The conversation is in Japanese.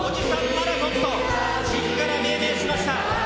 マラソンとみずから命名しました。